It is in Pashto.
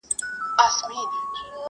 له مطربه سره نسته نوی شرنګ نوي سورونه٫